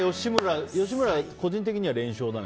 吉村、個人的には連勝だね。